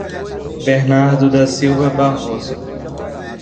Bernardo da Silva Barroso